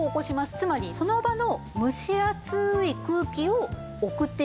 つまりその場の蒸し暑い空気を送っているだけとも言えます。